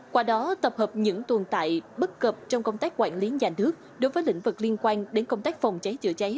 qua đó tập hợp những tồn tại bất cập trong công tác quản lý nhà nước đối với lĩnh vực liên quan đến công tác phòng cháy chữa cháy